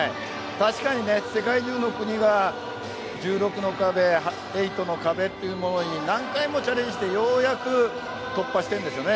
確かに世界中の国が１６の壁、８の壁というものに何回もチャレンジしてようやく突破しているんですよね。